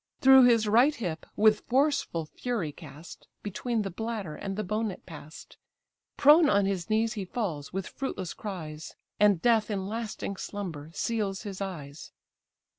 Through his right hip, with forceful fury cast, Between the bladder and the bone it pass'd; Prone on his knees he falls with fruitless cries, And death in lasting slumber seals his eyes.